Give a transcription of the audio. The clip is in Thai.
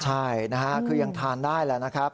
ใช่คือยังทานได้แล้วนะครับ